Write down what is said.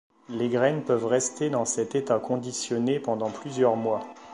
Les graines peuvent rester dans cet état conditionné pendant plusieurs mois.